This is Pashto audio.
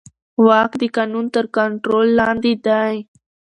واک د قانون تر کنټرول لاندې دی.